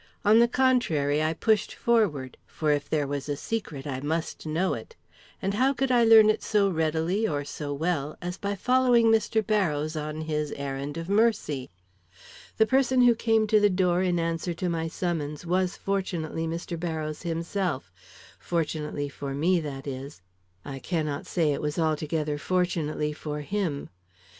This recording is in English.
On the contrary, I pushed forward, for if there was a secret, I must know it; and how could I learn it so readily or so well as by following Mr. Barrows on his errand of mercy? "The person who came to the door in answer to my summons was fortunately Mr. Barrows himself; fortunately for me, that is; I cannot say it was altogether fortunately for him.